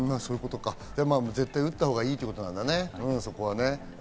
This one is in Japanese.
絶対打ったほうがいいということなんだね、そこは。